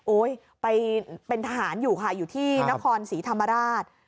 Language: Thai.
ไปเป็นทหารอยู่ค่ะอยู่ที่นครศรีธรรมราช